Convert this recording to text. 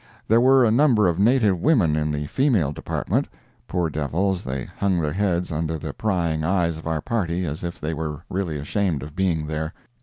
There were a number of native women in the female department. Poor devils, they hung their heads under the prying eyes of our party as if they were really ashamed of being there.